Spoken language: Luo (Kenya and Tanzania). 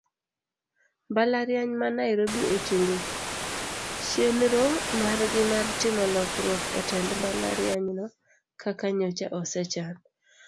Mbalariany ma nairobi ochungo chienro margi mar timo lokruok etend mbalarianyno kaka nyocha osechan.